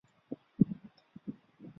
这个是冲浪板型的儿童踏板车。